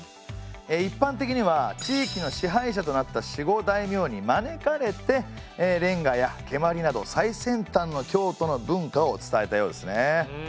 一般的には地域の支配者となった守護大名に招かれて連歌や蹴鞠など最先端の京都の文化を伝えたようですね。